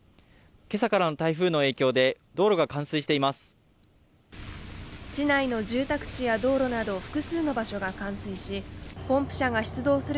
今朝からの台風の影響で道路が冠水しています